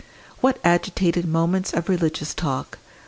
What agitated moments of religious talk!